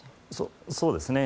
そうですね。